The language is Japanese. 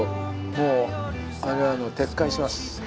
もうあれは撤回します。